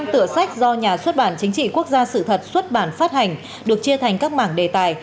năm tựa sách do nhà xuất bản chính trị quốc gia sự thật xuất bản phát hành được chia thành các mảng đề tài